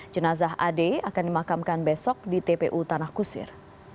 jenazah ade akan dimakamkan besok di tpu tanah kusir